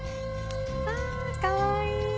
わあかわいい！